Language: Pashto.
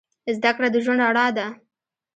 زدهکړه د ژوند رڼا ده